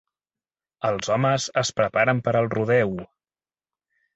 Els homes es preparen per al rodeo.